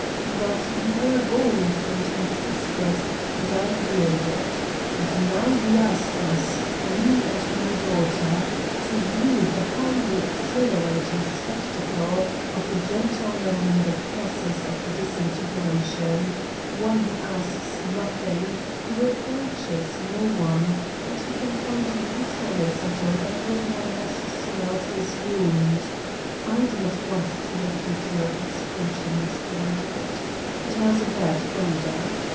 But you were bold and insistent and I yielded. And now you ask us , me and my daughter to view the highly exhilar 113 Satan's Diary ating spectacle of a gentleman in the process of disintegration, one who asks nothing, who re proaches no one, but can find no solace until every one has smelled his wound ... I do not want to repeat your expression, Mr. Wondergood. It has a bad odor.